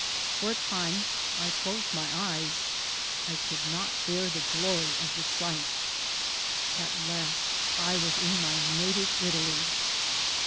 For a time I closed my eyes ; I could not bear the glory of the sight ; at last I was in my native Italy